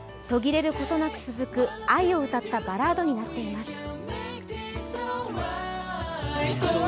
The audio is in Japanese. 途切れることなく続く愛を歌ったバラードになっています。